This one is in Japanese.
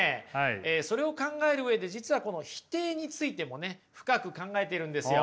それを考える上で実は否定についてもね深く考えてるんですよ。